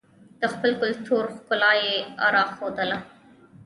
د خپل کلتور ښکلا یې راښودله.